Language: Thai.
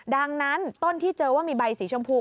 ดังนั้นต้นที่เจอว่ามีใบสีชมพู